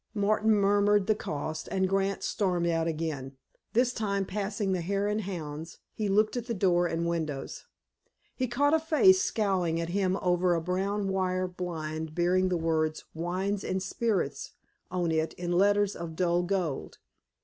Martin murmured the cost, and Grant stormed out again. This time, passing the Hare and Hounds, he looked at door and windows. He caught a face scowling at him over a brown wire blind bearing the words "Wines and Spirits" on it in letters of dull gold.